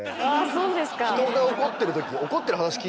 そうですか。